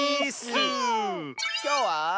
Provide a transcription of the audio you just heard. きょうは。